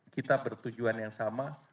kita bertujuan yang sama